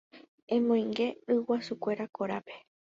Emoinge ryguasukuéra korápe.